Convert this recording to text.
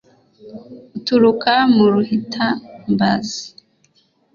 Uturuka mu Ruhitambazi